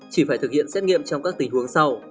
chỉ phải thực hiện xét nghiệm trong các tình huống sau